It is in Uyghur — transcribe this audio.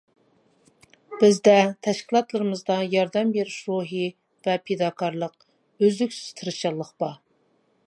بىزدە، تەشكىلاتلىرىمىزدا ياردەم بېرىش روھى ۋە پىداكارلىق ، ئۈزلۈكسىز تىرىشچانلىق بار.